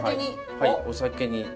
はいお酒に。